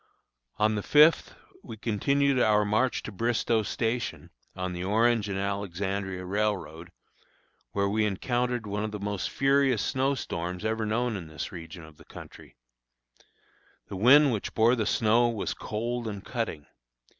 On the fifth we continued on our march to Bristoe Station, on the Orange and Alexandria Railroad, where we encountered one of the most furious snow storms ever known in this region of country. The wind which bore the snow was cold and cutting.